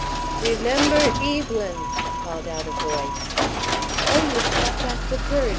"Remember Evelyn!" called out a voice. "Oh, you have brought back the bird!"